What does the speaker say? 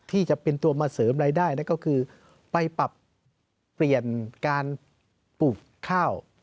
ที่จะเป็นตัวมาเสริมรายได้ก็คือไปปรับเปลี่ยนการปลูกข้าว